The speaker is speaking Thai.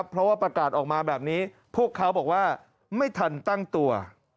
เพราะว่าประกาศออกมาแบบนี้พวกเขาบอกว่าไม่ทันตั้งตัว